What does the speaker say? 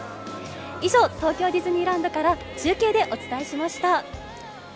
以上、東京ディズニーランドから中継でお伝えしました。